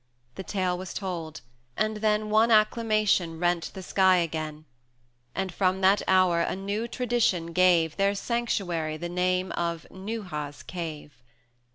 The tale was told; and then One acclamation rent the sky again; And from that hour a new tradition gave Their sanctuary the name of "Neuha's Cave."